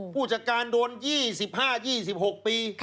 ผู้จัดการโดน๒๕๒๖ปี